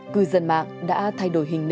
cư dân mạng đã thay đổi hình ảnh